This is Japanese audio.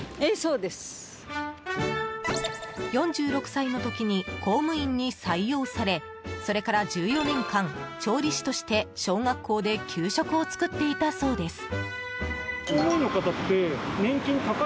４６歳の時に公務員に採用されそれから１４年間調理師として小学校で給食を作っていたそうです。